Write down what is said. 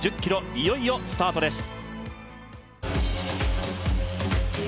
いよいよスタートです